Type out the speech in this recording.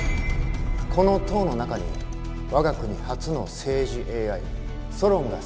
この塔の中に我が国初の政治ＡＩソロンが設置されております。